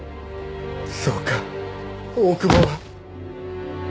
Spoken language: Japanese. そうか大久保は「えつ」と。